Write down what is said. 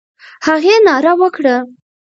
هغې ناره وکړه.